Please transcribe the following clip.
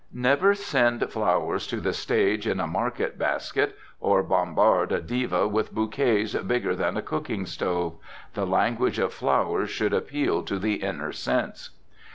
Never send flowers to the stage in a market basket, or bombard a diva with bouquets bigger than a cooking stove. The language of flowers should appeal to the inner sense.